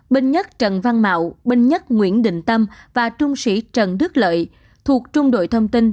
binh nhất trần văn mạo binh nhất nguyễn đình tâm và trung sĩ trần đức lợi thuộc trung đội thông tin